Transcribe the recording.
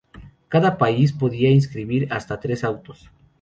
Cada país podía inscribir hasta tres autos.